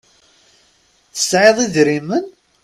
Tesεiḍ idrimen?